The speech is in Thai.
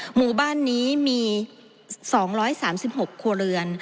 หมู่บ้านนี้มี๒๓๖ครัวเรือน